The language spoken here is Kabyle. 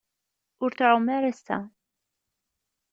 Ur tɛum ara ass-a.